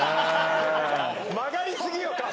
曲がり過ぎよ顔。